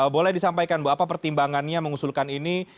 boleh disampaikan bu apa pertimbangannya mengusulkan ini